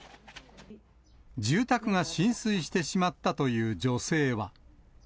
住宅が浸水してしまったという女性は。